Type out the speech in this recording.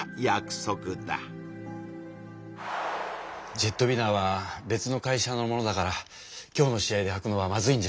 ジェットウィナーは別の会社のものだから今日の試合ではくのはまずいんじゃ？